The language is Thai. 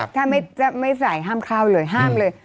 ถ้าไม่ใส่ห้ามเข้าเลยห้ามเลย